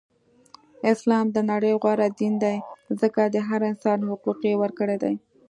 اسلام د نړی غوره دین دی ځکه د هر انسان حقوق یی ورکړی دی.